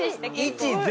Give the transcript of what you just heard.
１０。